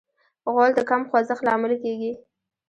غول د کم خوځښت لامل کېږي.